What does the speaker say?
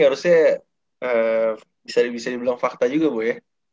harusnya bisa dibilang fakta juga bu ya